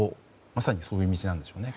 まさにそういう道なんでしょうね。